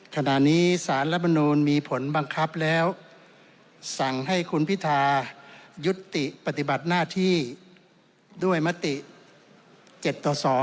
ขณะนี้สารรัฐมนูลมีผลบังคับแล้วสั่งให้คุณพิทายุติปฏิบัติหน้าที่ด้วยมติ๗ต่อ๒